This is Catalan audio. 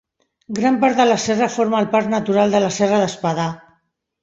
Gran part de la serra forma el Parc Natural de la Serra d'Espadà.